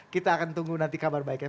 kita akan tunggu nanti kabar baiknya